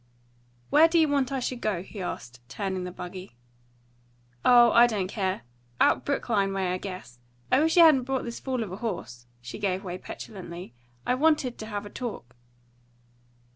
"Where do you want I should go?" he asked, turning the buggy. "Oh, I don't care. Out Brookline way, I guess. I wish you hadn't brought this fool of a horse," she gave way petulantly. "I wanted to have a talk."